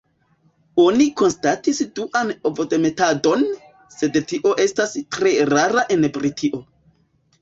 Oni konstatis duan ovodemetadon, sed tio estas tre rara en Britio.